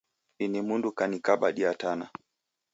Ini mundu kanikaba diatana.